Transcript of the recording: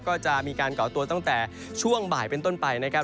ก็จะมีการก่อตัวตั้งแต่ช่วงบ่ายเป็นต้นไปนะครับ